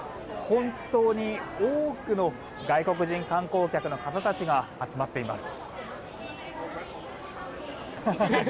本当に多くの外国人観光客の方たちが集まっています。